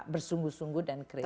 bersungguh sungguh dan kredibel